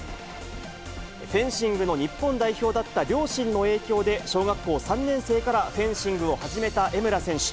フェンシングの日本代表だった両親の影響で小学校３年生からフェンシングを始めた江村選手。